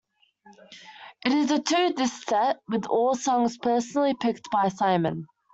It is a two-disc set with all the songs personally picked by Simon.